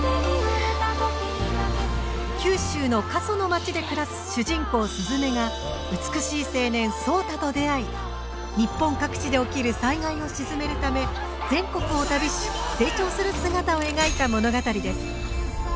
九州の過疎の町で暮らす主人公・鈴芽が美しい青年・草太と出会い日本各地で起きる災害を鎮めるため全国を旅し成長する姿を描いた物語です。